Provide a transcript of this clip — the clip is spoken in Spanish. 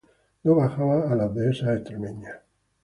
No bajaba a las dehesas extremeñas.